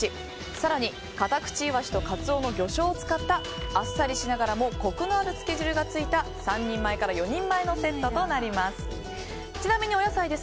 更にカタクチイワシとカツオの魚醤を使ったあっさりしながらもコクのあるつけ汁がついた３人前から４人前のセットとなります。